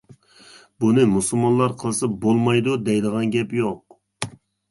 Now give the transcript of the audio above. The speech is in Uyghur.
بۇنى مۇسۇلمانلار قىلسا بولمايدۇ دەيدىغان گەپ يوق.